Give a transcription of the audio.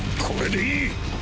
これでいい！！